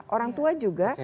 orang tua juga